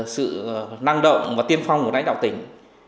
sự năng động và tiên phong của lãnh đạo tỉnh